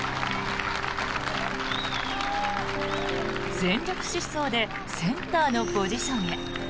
全力疾走でセンターのポジションへ。